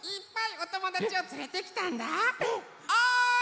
おい！